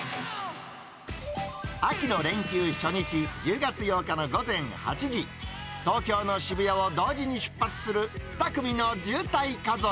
秋の連休初日、１０月８日の午前８時、東京の渋谷を同時に出発する２組の渋滞家族。